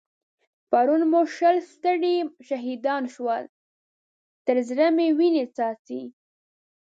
پرون مو شل سترې شهيدان شول؛ تر زړه مې وينې څاڅي.